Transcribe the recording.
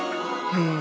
へえ。